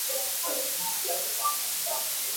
Sakhi nih kan rap a pal i a foih.